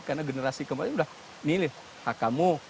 karena generasi kemarin sudah nih nih kak kamu